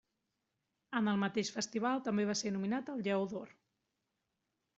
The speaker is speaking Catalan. En el mateix festival també va ser nominat al Lleó d'Or.